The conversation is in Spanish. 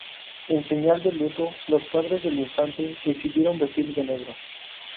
En señal de luto, los padres del infante decidieron vestir de negro.